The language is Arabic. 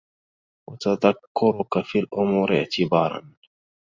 وَتَذَكُّرُك فِي الْأُمُورِ اعْتِبَارًا